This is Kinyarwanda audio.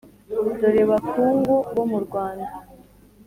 dore bakungu bomurwanda.